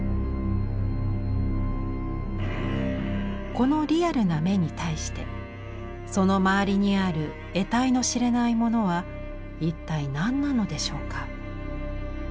このリアルな眼に対してその周りにある得体の知れないものは一体何なのでしょうか。